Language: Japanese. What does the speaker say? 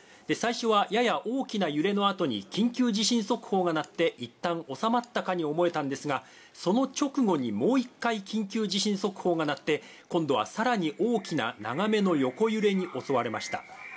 最初はやや大きな揺れの後に緊急地震速報が鳴って、いったん収まったかに思えたんですが、その直後にもう１回、緊急地震速報がなって、今度はさらに大きな長めの横揺れに襲われました。